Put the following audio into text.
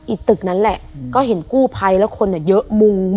ตึกนั้นแหละก็เห็นกู้ภัยแล้วคนเยอะมุง